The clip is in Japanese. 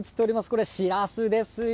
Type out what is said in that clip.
これ、しらすですよ。